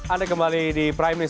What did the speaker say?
anda kembali di prime news